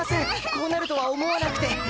こうなるとは思わなくて。